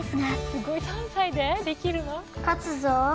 すごい３歳でできるの？